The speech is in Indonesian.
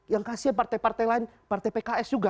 yang kasihan partai partai lain partai pks juga